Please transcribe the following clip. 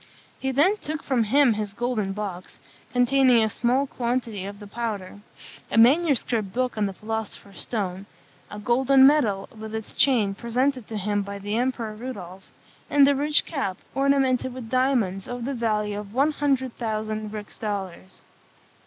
He then took from him his golden box, containing a small quantity of the powder; a manuscript book on the philosopher's stone; a golden medal, with its chain, presented to him by the Emperor Rudolph; and a rich cap, ornamented with diamonds, of the value of one hundred thousand rix dollars.